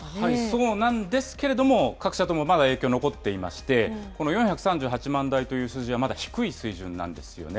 そうなんですけれども、各社ともまだ影響残っていまして、この４８３万台という数字はまだ低い水準なんですよね。